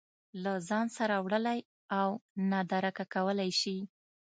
له ځان سره وړلی او نادرکه کولی شي